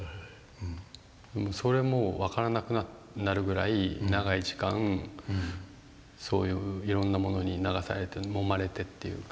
それも分からなくなるぐらい長い時間そういういろんなものに流されてもまれてっていうか。